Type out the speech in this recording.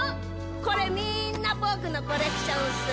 これみんな僕のコレクションっす。